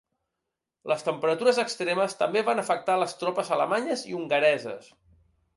Les temperatures extremes també van afectar les tropes alemanyes i hongareses.